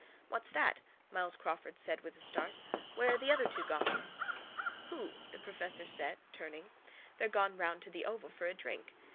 —What's that? Myles Crawford said with a start. Where are the other two gone? —Who? the professor said, turning. They're gone round to the Oval for a drink.